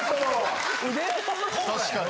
・確かに！